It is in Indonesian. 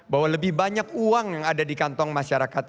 bahwa lebih banyak uang yang ada di kantong masyarakat